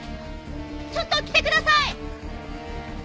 ちょっと来てください！